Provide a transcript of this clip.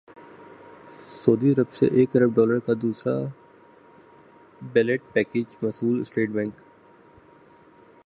سعودی عرب سے ایک ارب ڈالر کا دوسرا بیل اٹ پیکج موصول اسٹیٹ بینک